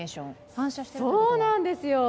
そうなんですよ。